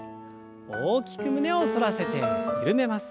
大きく胸を反らせて緩めます。